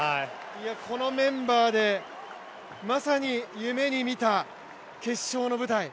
このメンバーでまさに夢に見た決勝の舞台。